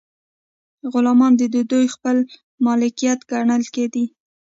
غلامان د دوی خپل مالکیت ګڼل کیدل.